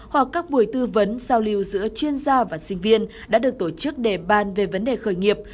hoặc các buổi tư vấn giao lưu giữa chuyên gia và sinh viên đã được tổ chức để ban về vấn đề khởi nghiệp